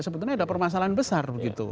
sebetulnya ada permasalahan besar begitu